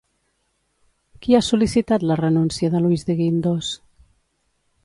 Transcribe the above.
Qui ha sol·licitat la renúncia de Luis de Guindos?